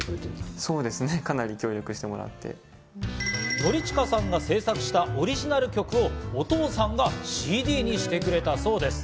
典親さんが制作したオリジナル曲をお父さんがＣＤにしてくれたそうです。